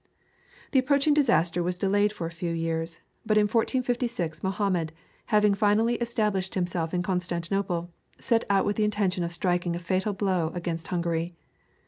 The approaching danger was delayed for a few years, but in 1456 Mohammed, having finally established himself in Constantinople, set out with the intention of striking a fatal blow against Hungary.